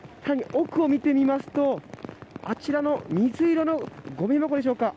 奥を見てみますとあちらの水色のごみ箱でしょうか。